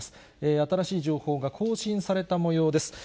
新しい情報が更新されたもようです。